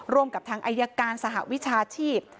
กับทางอายการสหวิชาชีพ